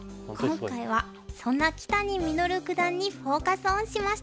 今回はそんな木谷實九段にフォーカス・オンしました。